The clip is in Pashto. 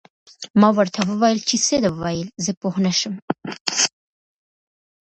ما ورته وویل: څه دې وویل؟ زه پوه نه شوم.